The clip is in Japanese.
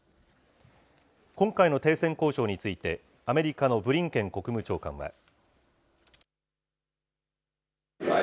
今回の停戦交渉について、アメリカのブリンケン国務長官は。